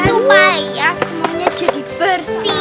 supaya semuanya jadi bersih